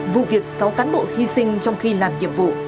vụ việc sáu cán bộ hy sinh trong khi làm nhiệm vụ